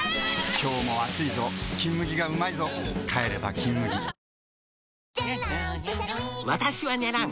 今日も暑いぞ「金麦」がうまいぞ帰れば「金麦」ハァ。ハァ。ハァ。